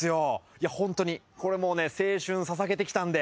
いや、本当に、これもうね青春ささげてきたんで。